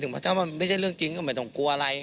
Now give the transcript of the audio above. เพราะถ้ามันไม่ใช่เรื่องจริงก็ไม่ต้องกลัวอะไร